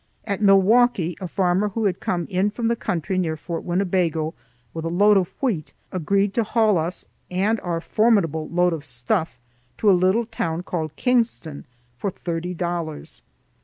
At Milwaukee a farmer who had come in from the country near Fort Winnebago with a load of wheat agreed to haul us and our formidable load of stuff to a little town called Kingston for thirty dollars.